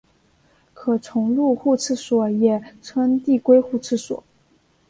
可重入互斥锁也称递归互斥锁。